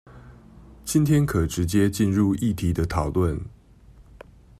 今天可直接進入議題的討論